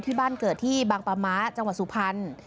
ที่บ้านเกิดที่บางปะมะจังหวัดสุพรรณ